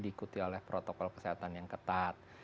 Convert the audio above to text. diikuti oleh protokol kesehatan yang ketat